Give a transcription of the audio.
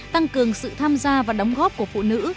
tăng cường sự tham gia và đóng góp của phụ nữ